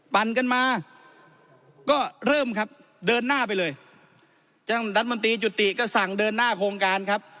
ปั่นกันมาก็เริ่มครับเดินหน้าไปเลยท่านรัฐมนตรีจุติก็สั่งเดินหน้าโครงการครับ